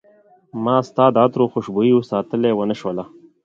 ما ستا د عطرو خوشبوي ساتلی ونه شوله